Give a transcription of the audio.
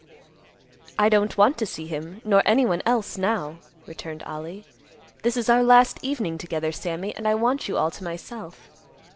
"I don't want to see him, nor any one else, now," returned Ollie. "This is our last evening together, Sammy, and I want you all to myself.